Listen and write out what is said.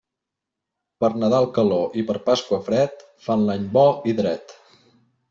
Per Nadal calor i per Pasqua fred, fan l'any bo i dret.